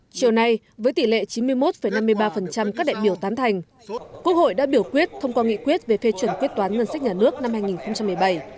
chiều nay với tỷ lệ chín mươi một năm mươi ba các đại biểu tán thành quốc hội đã biểu quyết thông qua nghị quyết về phê chuẩn quyết toán ngân sách nhà nước năm hai nghìn một mươi bảy